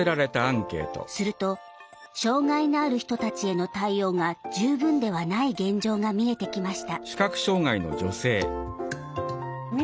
すると障害のある人たちへの対応が十分ではない現状が見えてきました。